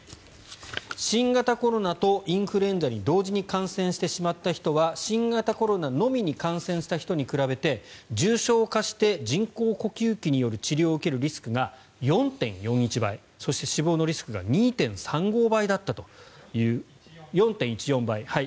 新型コロナとインフルエンザに同時に感染してしまった人は新型コロナのみに感染した人に比べて重症化して人工呼吸器による治療を受けるリスクが４．１４倍そして、死亡のリスクが２．３５倍だったと。